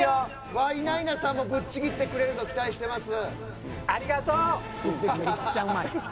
ワイナイナさんもぶっちぎってくれると期待してます。